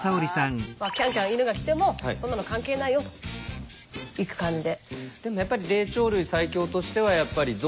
キャンキャン犬が来てもそんなの関係ないよといく感じで。